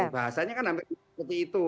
bahasanya kan hampir seperti itu